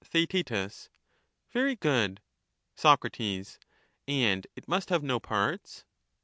Theaet, Very good. Sac, And it must have no parts.